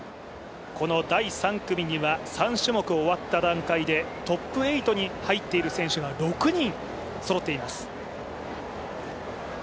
この第３組には３種目終わった段階でトップ８に入っている選手が６人そろっています。